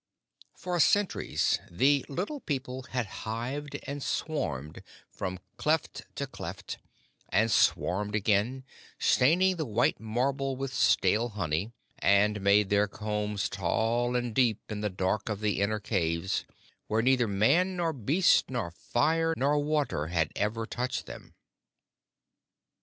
For centuries the Little People had hived and swarmed from cleft to cleft, and swarmed again, staining the white marble with stale honey, and made their combs tall and deep in the dark of the inner caves, where neither man nor beast nor fire nor water had ever touched them.